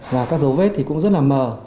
và các dấu vết thì cũng rất là mờ